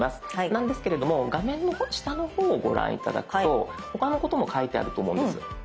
なんですけれども画面の下の方をご覧頂くと他のことも書いてあると思うんです。